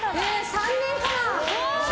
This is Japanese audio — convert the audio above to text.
３年かな。